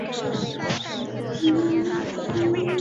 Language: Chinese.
龙陵新木姜子为樟科新木姜子属下的一个种。